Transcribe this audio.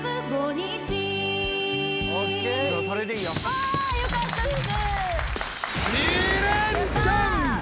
おわよかったです！